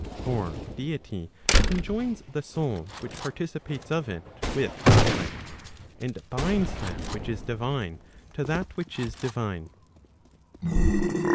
For deity conjoins h soul which participates of it with intellect, and binds that which is divine to that which is divine.